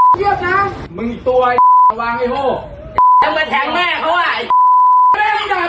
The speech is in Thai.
กูรู้มึงเจ๋งมึงโดนวี่งสา